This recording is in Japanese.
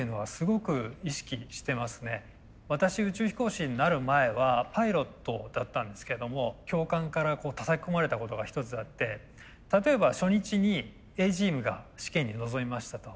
私宇宙飛行士になる前はパイロットだったんですけども教官からたたき込まれたことが一つあって例えば初日にＡチームが試験に臨みましたと。